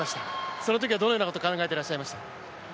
そのときはどのようなことを考えていらっしゃいましたか？